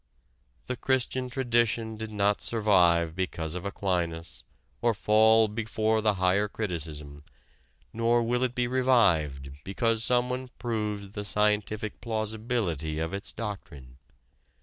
The Christian tradition did not survive because of Aquinas or fall before the Higher Criticism, nor will it be revived because someone proves the scientific plausibility of its doctrine.